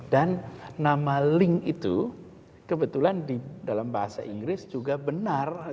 dan nama ling itu kebetulan dalam bahasa inggris juga benar